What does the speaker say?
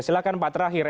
silakan pak terakhir